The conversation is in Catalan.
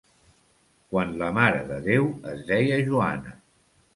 Quan la Mare de Déu es deia Joana.